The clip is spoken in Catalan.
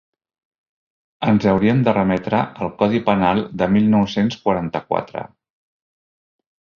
Ens hauríem de remetre al codi penal del mil nou-cents quaranta-quatre.